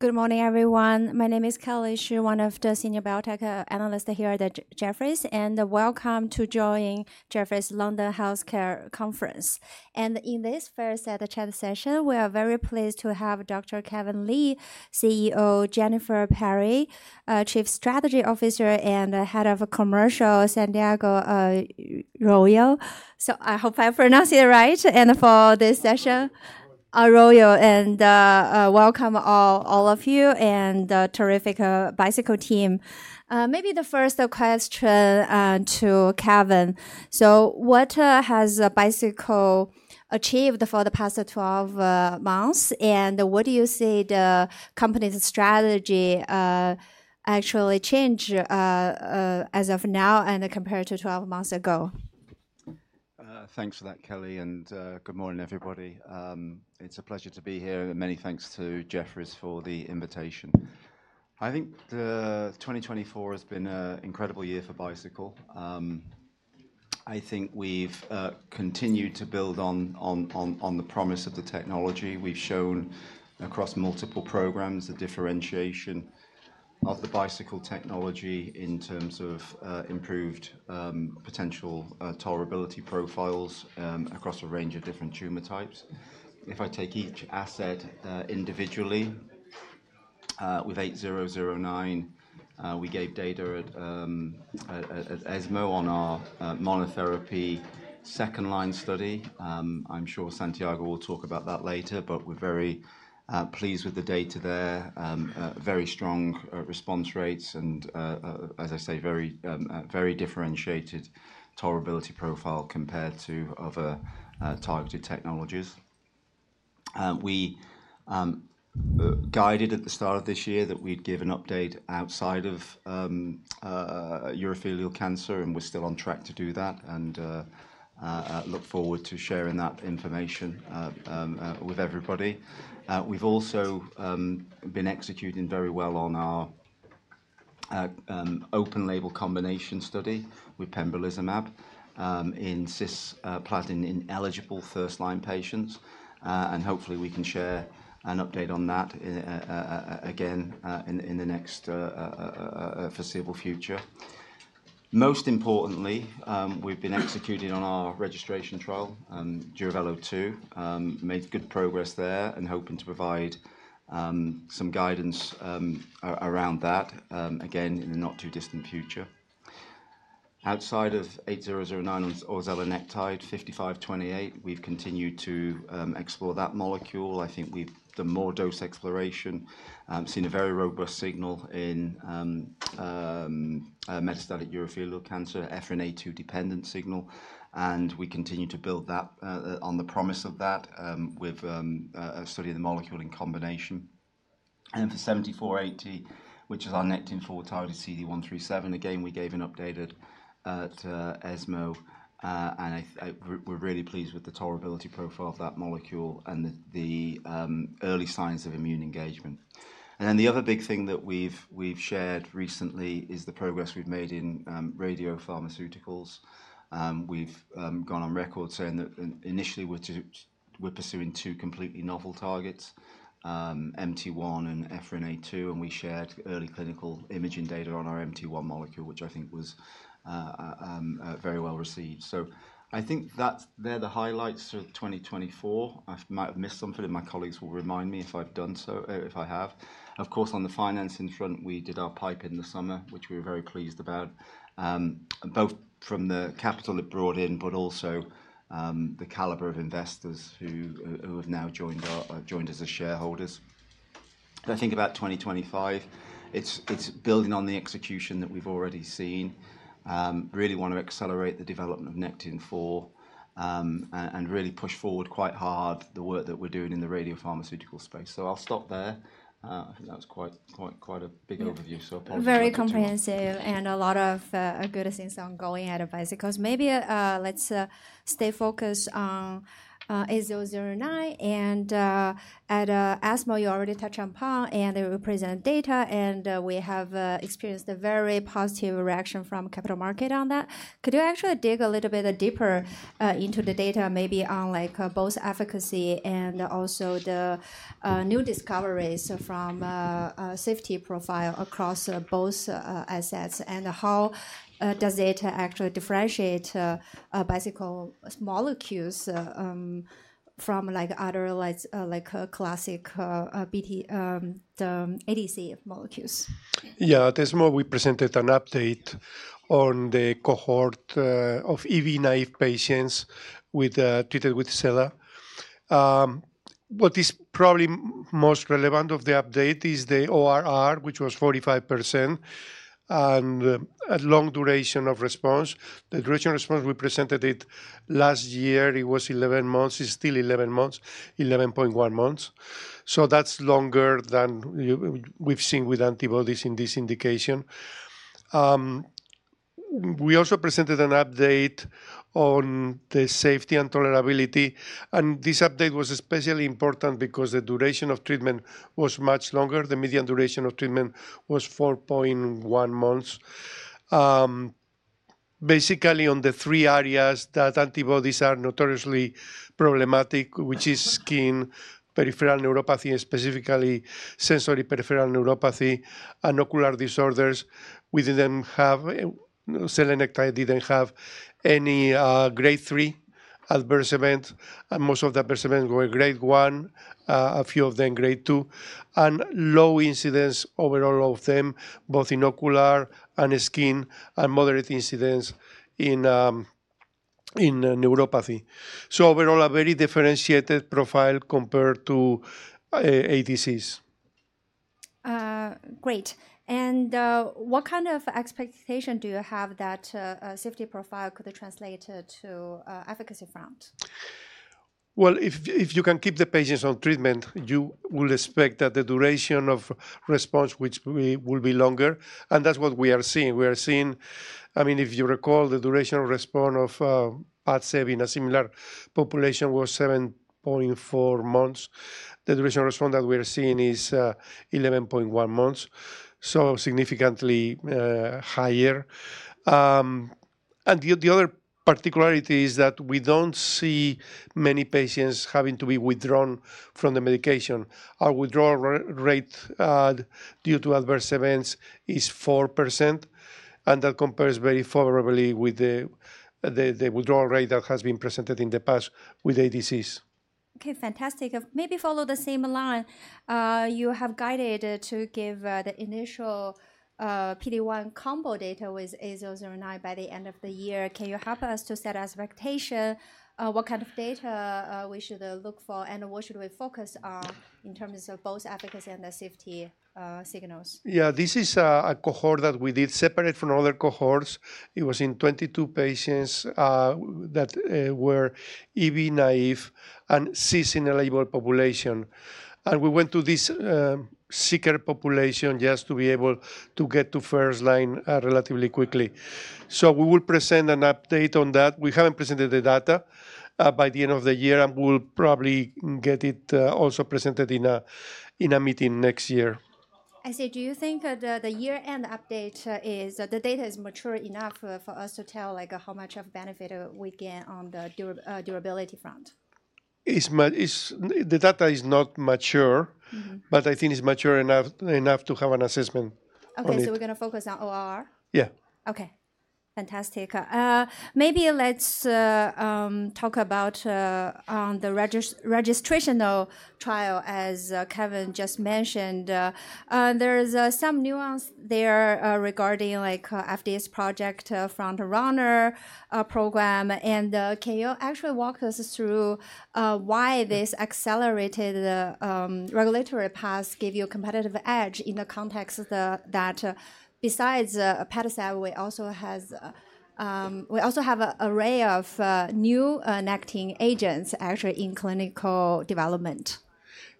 Good morning, everyone. My name is Kelly Shi, one of the senior biotech analysts here at Jefferies, and welcome to join Jefferies' London Healthcare Conference and in this first chat session we are very pleased to have Dr. Kevin Lee, CEO, Jennifer Perry, Chief Strategy Officer and Head of Commercial, Santiago Arroyo so I hope I pronounced it right for this session. Arroyo, and welcome all of you and the terrific Bicycle team. Maybe the first question to Kevin so what has Bicycle achieved for the past 12 months, and what do you see the company's strategy actually change as of now and compared to 12 months ago? Thanks for that, Kelly, and good morning, everybody. It's a pleasure to be here, and many thanks to Jefferies for the invitation. I think 2024 has been an incredible year for Bicycle. I think we've continued to build on the promise of the technology. We've shown across multiple programs the differentiation of the Bicycle technology in terms of improved potential tolerability profiles across a range of different tumor types. If I take each asset individually, with 8009, we gave data at ESMO on our monotherapy second-line study. I'm sure Santiago will talk about that later, but we're very pleased with the data there, very strong response rates, and, as I say, very differentiated tolerability profile compared to other targeted technologies. We guided at the start of this year that we'd give an update outside of urothelial cancer, and we're still on track to do that and look forward to sharing that information with everybody. We've also been executing very well on our open-label combination study with pembrolizumab in cisplatin-ineligible first-line patients, and hopefully we can share an update on that again in the next foreseeable future. Most importantly, we've been executing on our registration trial, Duravelo-2, made good progress there and hoping to provide some guidance around that again in the not too distant future. Outside of 8009 on zelenectide, 5528, we've continued to explore that molecule. I think we've done more dose exploration, seen a very robust signal in metastatic urothelial cancer, EphA2 dependent signal, and we continue to build on the promise of that with a study of the molecule in combination. For 7480, which is our Nectin-4-targeted CD137, again, we gave an update at ESMO, and we're really pleased with the tolerability profile of that molecule and the early signs of immune engagement. Then the other big thing that we've shared recently is the progress we've made in radiopharmaceuticals. We've gone on record saying that initially we're pursuing two completely novel targets, MT1-MMP and EphA2, and we shared early clinical imaging data on our MT1-MMP molecule, which I think was very well received. So I think that they're the highlights of 2024. I might have missed something, and my colleagues will remind me if I've done so, if I have. Of course, on the financing front, we did our PIPE in the summer, which we were very pleased about, both from the capital it brought in, but also the caliber of investors who have now joined us as shareholders. I think about 2025, it's building on the execution that we've already seen, really want to accelerate the development of Nectin-4 and really push forward quite hard the work that we're doing in the radiopharmaceutical space, so I'll stop there. I think that was quite a big overview, so apologies. Very comprehensive and a lot of good things ongoing at Bicycle. Maybe let's stay focused on 8009. And at ESMO, you already touched upon and they will present data, and we have experienced a very positive reaction from the capital market on that. Could you actually dig a little bit deeper into the data, maybe on both efficacy and also the new discoveries from safety profile across both assets, and how does it actually differentiate Bicycle molecules from other classic ADC molecules? Yeah, this month we presented an update on the cohort of EV naive patients treated with zelenectide. What is probably most relevant of the update is the ORR, which was 45% and long duration of response. The duration of response, we presented it last year, it was 11 months, it's still 11 months, 11.1 months. So that's longer than we've seen with antibodies in this indication. We also presented an update on the safety and tolerability, and this update was especially important because the duration of treatment was much longer. The median duration of treatment was 4.1 months. Basically, on the three areas that antibodies are notoriously problematic, which is skin, peripheral neuropathy, and specifically sensory peripheral neuropathy, and ocular disorders, we didn't have zelenectide, didn't have any grade 3 adverse events, and most of the adverse events were grade 1, a few of them grade 2, and low incidence overall of them, both in ocular and skin, and moderate incidence in neuropathy. So overall, a very differentiated profile compared to ADCs. Great. And what kind of expectation do you have that safety profile could translate to efficacy front? If you can keep the patients on treatment, you will expect that the duration of response, which will be longer, and that's what we are seeing. We are seeing, I mean, if you recall, the duration of response of Padcev in a similar population was 7.4 months. The duration of response that we are seeing is 11.1 months, so significantly higher. And the other particularity is that we don't see many patients having to be withdrawn from the medication. Our withdrawal rate due to adverse events is 4%, and that compares very favorably with the withdrawal rate that has been presented in the past with ADCs. Okay, fantastic. Maybe follow the same line you have guided to give the initial PD-1 combo data with 8009 by the end of the year. Can you help us to set expectation? What kind of data we should look for and what should we focus on in terms of both efficacy and safety signals? Yeah, this is a cohort that we did separate from other cohorts. It was in 22 patients that were EV naive and cis ineligible population, and we went to this sicker population just to be able to get to first line relatively quickly, so we will present an update on that. We haven't presented the data by the end of the year, and we'll probably get it also presented in a meeting next year. I say, do you think the year-end update is the data mature enough for us to tell how much of benefit we get on the durability front? The data is not mature, but I think it's mature enough to have an assessment. Okay, so we're going to focus on ORR? Yeah. Okay, fantastic. Maybe let's talk about the registration trial, as Kevin just mentioned. There's some nuance there regarding FDA's Project FrontRunner program. And can you actually walk us through why this accelerated regulatory path gave you a competitive edge in the context that besides Padcev, we also have an array of new Nectin agents actually in clinical development?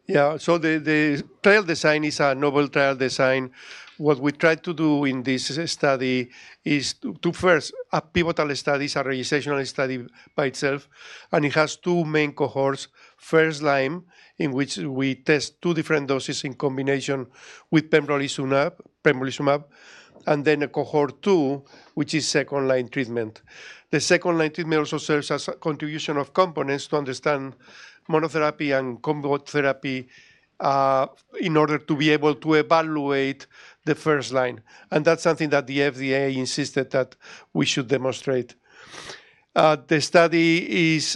Yeah, so the trial design is a novel trial design. What we tried to do in this study is to first, a pivotal study is a registration study by itself, and it has two main cohorts. First line, in which we test two different doses in combination with pembrolizumab, and then a cohort two, which is second line treatment. The second line treatment also serves as a contribution of components to understand monotherapy and combo therapy in order to be able to evaluate the first line. And that's something that the FDA insisted that we should demonstrate. The study is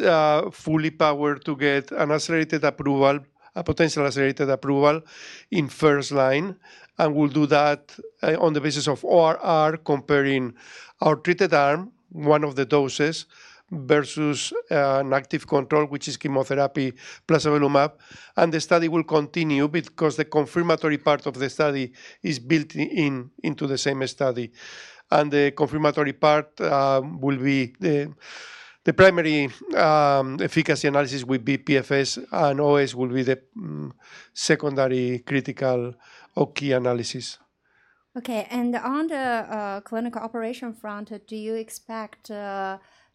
fully powered to get an accelerated approval, a potential accelerated approval in first line, and we'll do that on the basis of ORR comparing our treated arm, one of the doses, versus an active control, which is chemotherapy plus avelumab. The study will continue because the confirmatory part of the study is built into the same study. The confirmatory part will be the primary efficacy analysis with PFS, and OS will be the secondary critical or key analysis. Okay, and on the clinical operation front, do you expect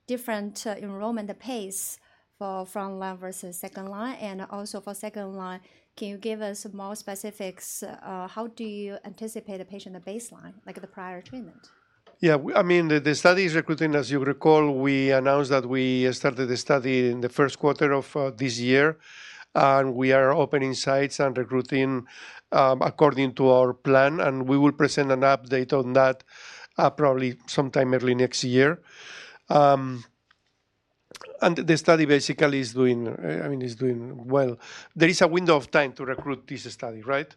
different enrollment pace for front line versus second line? And also for second line, can you give us more specifics? How do you anticipate a patient baseline, like the prior treatment? Yeah, I mean, the study is recruiting. As you recall, we announced that we started the study in the first quarter of this year, and we are opening sites and recruiting according to our plan, and we will present an update on that probably sometime early next year. And the study basically is doing, I mean, is doing well. There is a window of time to recruit this study, right?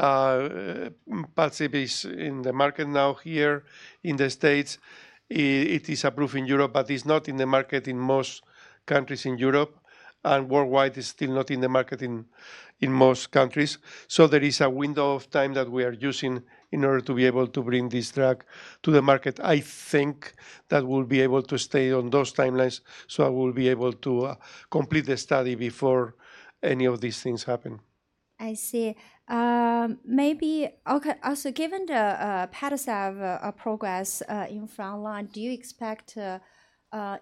Padcev is in the market now here in the States. It is approved in Europe, but it's not in the market in most countries in Europe, and worldwide is still not in the market in most countries. So there is a window of time that we are using in order to be able to bring this drug to the market. I think that we'll be able to stay on those timelines, so I will be able to complete the study before any of these things happen. I see. Maybe also given the Padcev progress in front line, do you expect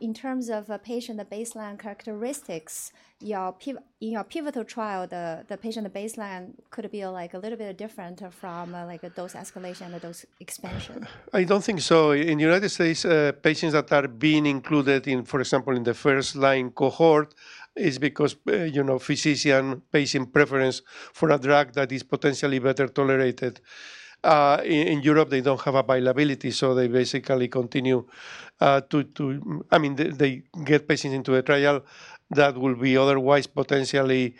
in terms of patient baseline characteristics, in your pivotal trial, the patient baseline could be like a little bit different from like a dose escalation and a dose expansion? I don't think so. In the United States, patients that are being included in, for example, in the first line cohort is because physician patient preference for a drug that is potentially better tolerated. In Europe, they don't have availability, so they basically continue to, I mean, they get patients into a trial that will be otherwise potentially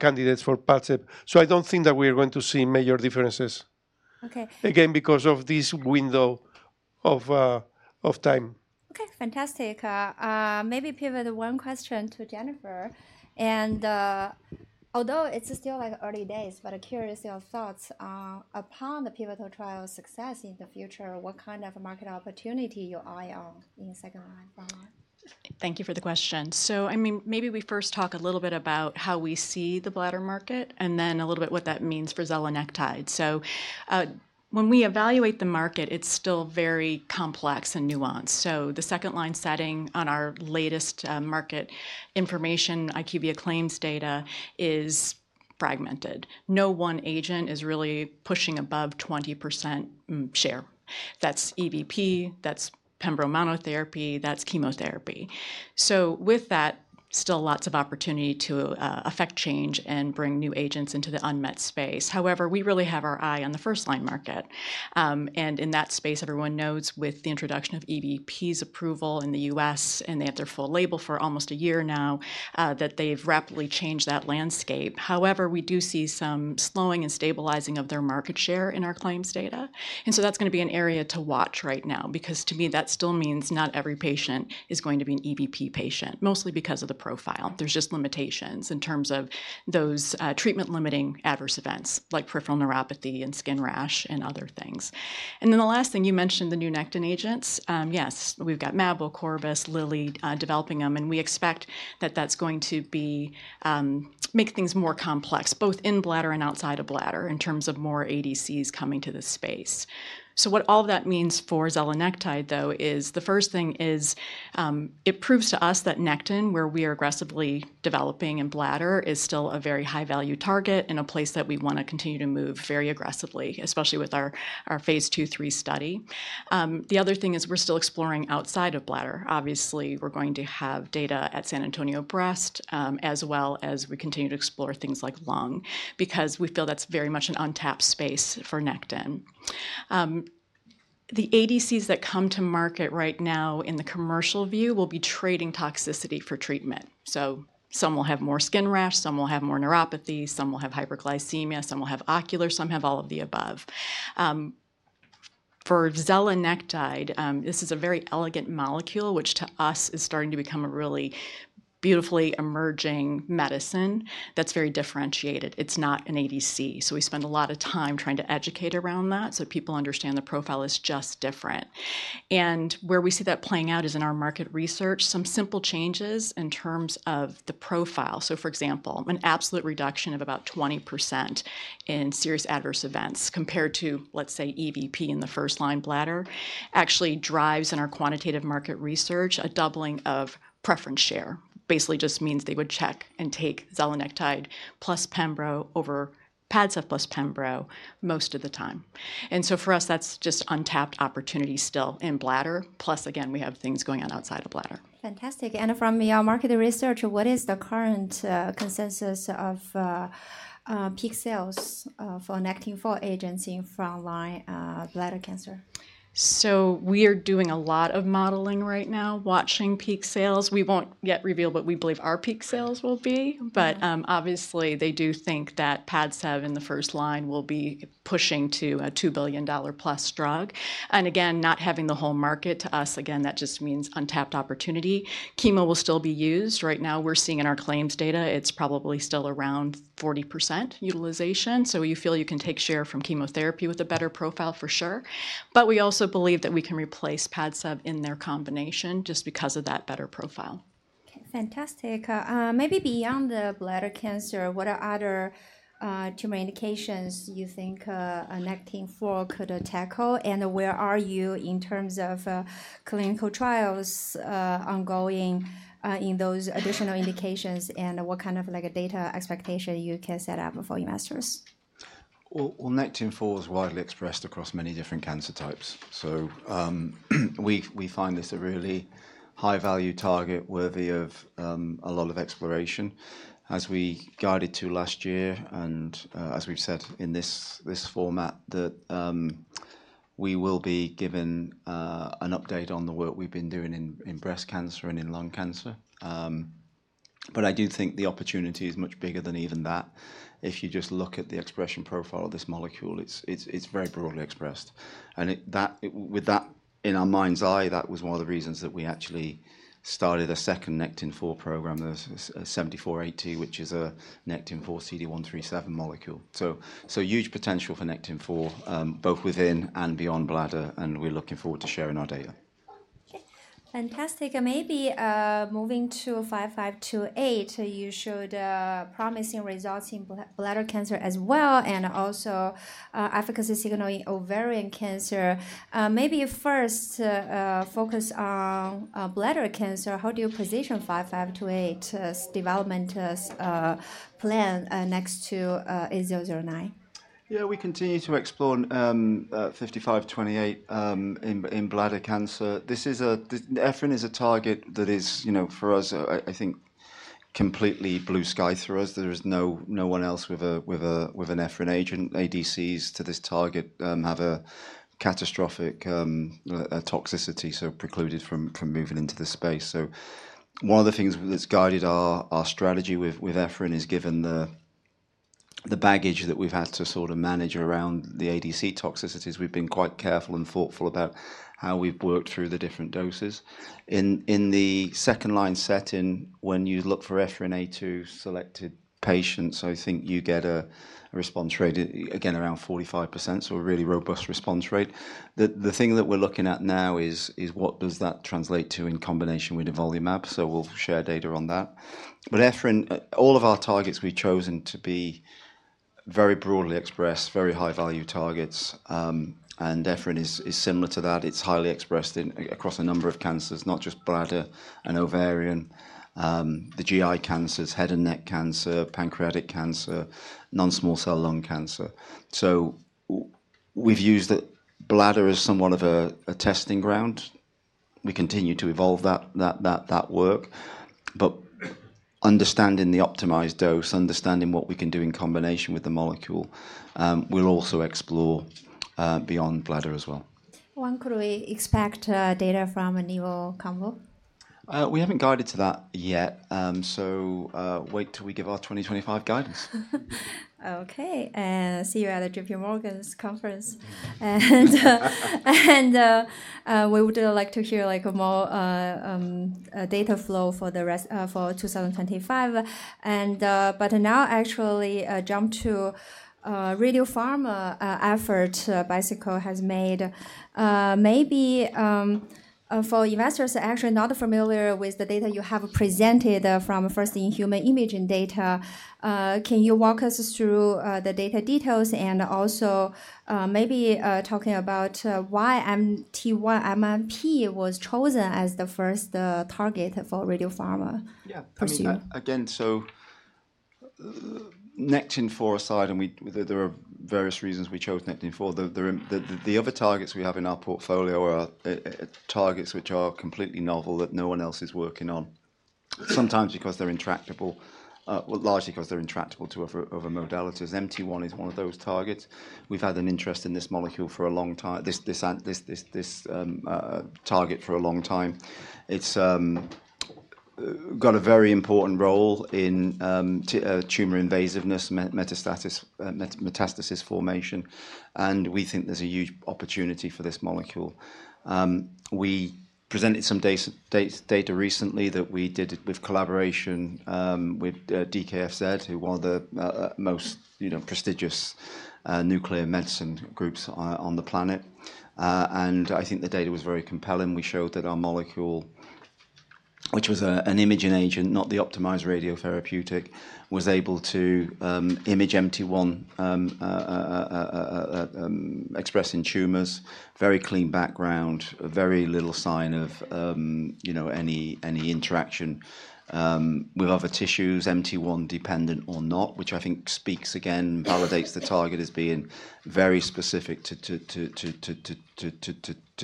candidates for Padcev. So I don't think that we are going to see major differences. Okay. Again, because of this window of time. Okay, fantastic. Maybe pivot one question to Jennifer. And although it's still like early days, but I'm curious your thoughts upon the pivotal trial success in the future, what kind of market opportunity you eye on in second line? Thank you for the question. So I mean, maybe we first talk a little bit about how we see the bladder market and then a little bit what that means for zelenectide. So when we evaluate the market, it's still very complex and nuanced. So the second line setting on our latest market information, IQVIA claims data is fragmented. No one agent is really pushing above 20% share. That's EVP, that's pembrolizumab therapy, that's chemotherapy. So with that, still lots of opportunity to affect change and bring new agents into the unmet space. However, we really have our eye on the first line market. And in that space, everyone knows with the introduction of EVP's approval in the U.S., and they have their full label for almost a year now, that they've rapidly changed that landscape. However, we do see some slowing and stabilizing of their market share in our claims data, and so that's going to be an area to watch right now because to me, that still means not every patient is going to be an EVP patient, mostly because of the profile. There's just limitations in terms of those treatment-limiting adverse events like peripheral neuropathy and skin rash and other things, and then the last thing, you mentioned the new nectin agents. Yes, we've got Mabwell, Corbus, Lilly developing them, and we expect that that's going to make things more complex, both in bladder and outside of bladder in terms of more ADCs coming to the space. So what all of that means for zelenectide, though, is the first thing is it proves to us that nectin, where we are aggressively developing in bladder, is still a very high-value target and a place that we want to continue to move very aggressively, especially with our phase II, phase III study. The other thing is we're still exploring outside of bladder. Obviously, we're going to have data at San Antonio Breast, as well as we continue to explore things like lung because we feel that's very much an untapped space for nectin. The ADCs that come to market right now in the commercial view will be trading toxicity for treatment. So some will have more skin rash, some will have more neuropathy, some will have hyperglycemia, some will have ocular, some have all of the above. For zelenectide, this is a very elegant molecule, which to us is starting to become a really beautifully emerging medicine that's very differentiated. It's not an ADC. So we spend a lot of time trying to educate around that so people understand the profile is just different. And where we see that playing out is in our market research, some simple changes in terms of the profile. So for example, an absolute reduction of about 20% in serious adverse events compared to, let's say, EVP in the first line bladder actually drives in our quantitative market research a doubling of preference share. Basically just means they would check and take zelenectide plus Pembro over Padcev plus Pembro most of the time. And so for us, that's just untapped opportunity still in bladder. Plus, again, we have things going on outside of bladder. Fantastic. And from your market research, what is the current consensus of peak sales for Nectin-4 agents in frontline bladder cancer? We are doing a lot of modeling right now, watching peak sales. We won't yet reveal what we believe our peak sales will be, but obviously they do think that Padcev in the first line will be pushing to a $2 billion+ drug. And again, not having the whole market to us, again, that just means untapped opportunity. Chemo will still be used. Right now, we're seeing in our claims data, it's probably still around 40% utilization. So you feel you can take share from chemotherapy with a better profile for sure. But we also believe that we can replace Padcev in their combination just because of that better profile. Okay, fantastic. Maybe beyond the bladder cancer, what other tumor indications you think Nectin-4 could tackle? And where are you in terms of clinical trials ongoing in those additional indications and what kind of data expectation you can set up for your molecules? Nectin-4 is widely expressed across many different cancer types. We find this a really high-value target worthy of a lot of exploration. As we guided to last year and as we've said in this format, that we will be given an update on the work we've been doing in breast cancer and in lung cancer. But I do think the opportunity is much bigger than even that. If you just look at the expression profile of this molecule, it's very broadly expressed. With that in our mind's eye, that was one of the reasons that we actually started a second Nectin-4 program, the 7480, which is a Nectin-4 CD137 molecule. Huge potential for Nectin-4 both within and beyond bladder, and we're looking forward to sharing our data. Okay, fantastic. Maybe moving to BT5528, you showed promising results in bladder cancer as well and also efficacy signal in ovarian cancer. Maybe first focus on bladder cancer. How do you position BT5528 development plan next to BT8009? Yeah, we continue to explore 5528 in bladder cancer. EphA2 is a target that is, for us, I think completely blue sky to us. There is no one else with an EphA2 agent. ADCs to this target have a catastrophic toxicity, so precluded from moving into the space. So one of the things that's guided our strategy with EphA2 is given the baggage that we've had to sort of manage around the ADC toxicities. We've been quite careful and thoughtful about how we've worked through the different doses. In the second line setting, when you look for EphA2 selected patients, I think you get a response rate, again, around 45%, so a really robust response rate. The thing that we're looking at now is what does that translate to in combination with avelumab? So we'll share data on that. EphA2, all of our targets we've chosen to be very broadly expressed, very high-value targets. And EphA2 is similar to that. It's highly expressed across a number of cancers, not just bladder and ovarian, the GI cancers, head and neck cancer, pancreatic cancer, non-small cell lung cancer. So we've used the bladder as somewhat of a testing ground. We continue to evolve that work, but understanding the optimized dose, understanding what we can do in combination with the molecule, we'll also explore beyond bladder as well. When could we expect data from Nivo-Combo? We haven't guided to that yet, so wait till we give our 2025 guidance. Okay, see you at the JPMorgan's conference, and we would like to hear more data flow for 2025. But now, actually, jump to Radiopharma efforts Bicycle has made. Maybe for investors actually not familiar with the data you have presented from first-in-human imaging data, can you walk us through the data details and also maybe talking about why MT1-MMP was chosen as the first target for Radiopharma? Yeah, I mean, again, so Nectin-4 aside, and there are various reasons we chose Nectin-4. The other targets we have in our portfolio are targets which are completely novel that no one else is working on, sometimes because they're intractable, largely because they're intractable to other modalities. MT1 is one of those targets. We've had an interest in this molecule for a long time, this target for a long time. It's got a very important role in tumor invasiveness, metastasis formation, and we think there's a huge opportunity for this molecule. We presented some data recently that we did with collaboration with DKFZ, who are the most prestigious nuclear medicine groups on the planet. I think the data was very compelling. We showed that our molecule, which was an imaging agent, not the optimized radiotherapeutic, was able to image MT1 expressed in tumors, very clean background, very little sign of any interaction with other tissues, MT1 dependent or not, which I think speaks again, validates the target as being very specific to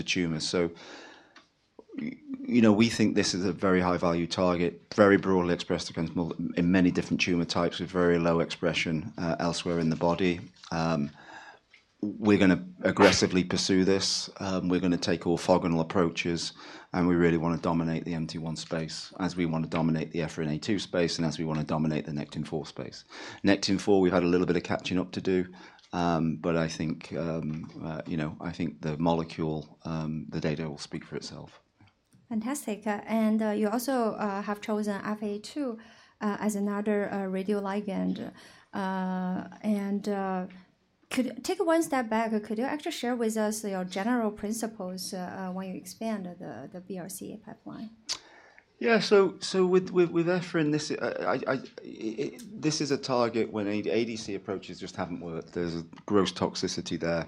tumors. So we think this is a very high-value target, very broadly expressed in many different tumor types with very low expression elsewhere in the body. We're going to aggressively pursue this. We're going to take orthogonal approaches, and we really want to dominate the MT1 space as we want to dominate the EphA2 space and as we want to dominate the Nectin-4 space. Nectin-4, we've had a little bit of catching up to do, but I think the molecule, the data will speak for itself. Fantastic. And you also have chosen EphA2 as another radioligand. And take one step back, could you actually share with us your general principles when you expand the BRC pipeline? Yeah, so with EphA2, this is a target when ADC approaches just haven't worked. There's gross toxicity there.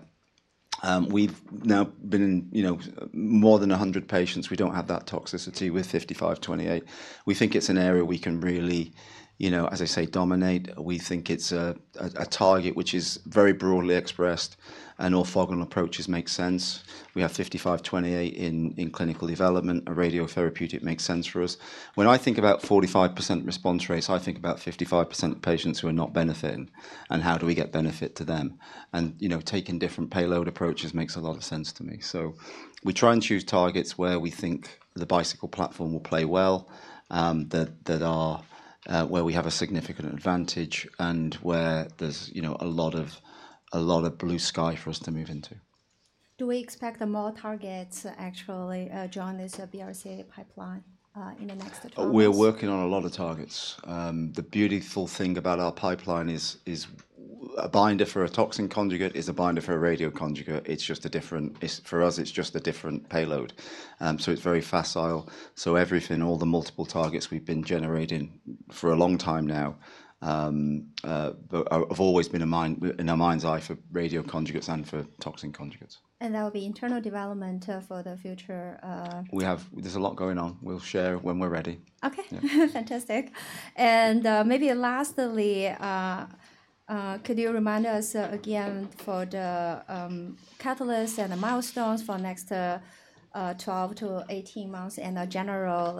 We've now been in more than 100 patients. We don't have that toxicity with 5528. We think it's an area we can really, as I say, dominate. We think it's a target which is very broadly expressed and orthogonal approaches make sense. We have 5528 in clinical development. A radiotherapeutic makes sense for us. When I think about 45% response rates, I think about 55% of patients who are not benefiting and how do we get benefit to them. And taking different payload approaches makes a lot of sense to me. So we try and choose targets where we think the Bicycle platform will play well, that are where we have a significant advantage and where there's a lot of blue sky for us to move into. Do we expect more targets actually join this BRC pipeline in the next? We're working on a lot of targets. The beautiful thing about our pipeline is a binder for a toxin conjugate is a binder for a radio conjugate. It's just a different, for us, it's just a different payload. So it's very facile. So everything, all the multiple targets we've been generating for a long time now have always been in our mind's eye for radio conjugates and for toxin conjugates. That will be internal development for the future? We have. There's a lot going on. We'll share when we're ready. Okay, fantastic, and maybe lastly, could you remind us again for the catalysts and the milestones for next 12-18 months and a general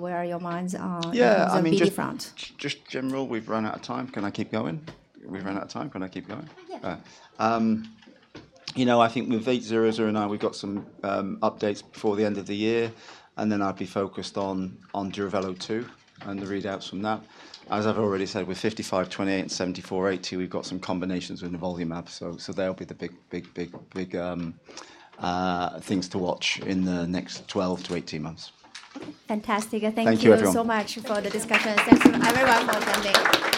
where are your minds on the future front? Yeah, I mean, just general, we've run out of time. Can I keep going? We've run out of time. Can I keep going? Yes. You know, I think with BT8009, we've got some updates before the end of the year, and then I'll be focused on Duravelo-2 and the readouts from that. As I've already said, with 5528 and 7480, we've got some combinations with nivolumab. So they'll be the big, big, big things to watch in the next 12-18 months. Fantastic. Thank you so much for the discussion. Thank you everyone for attending.